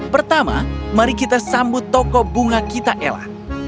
pertama mari kita sambut toko bunga kita ella